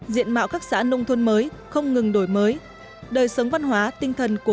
diện mạo các xã nông thôn mới không ngừng đổi mới đời sống văn hóa tinh thần của